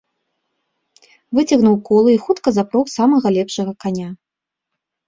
Выцягнуў колы і хутка запрог самага лепшага каня.